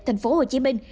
thành phố hồ chí minh